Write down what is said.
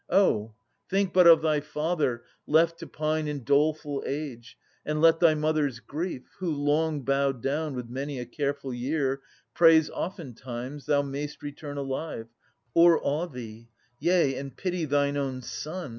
Oh ! think but of thy father, left to pine In doleful age, and let thy mother's grief— Who, long bowed down with many a careful year, Prays oftentimes thou may'st return alive — O'er awe thee. Yea, and pity thine own son.